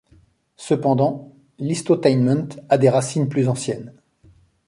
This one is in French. Cependant, l'Histotainment a des racines plus anciennes.